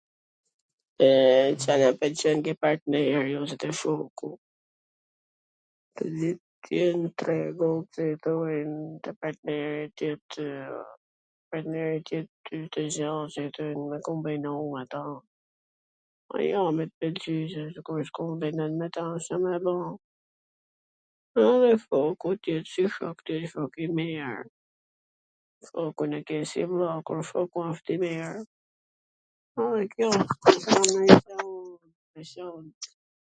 E, Ca na pwlqen ke partneri ose te shoku.... t jen t rregullt, t jetojn... partneri t jetw ... partneri... t jet Cdo gja e kombinume me ta, po jo me t pwlqy me shku me ta Ca me bo. Edhe shoku t jet si shok, t jet shok i mir, shokun e ke si vlla kur shoku asht i mir... edhe kjo...s ka nonj gja t veCant...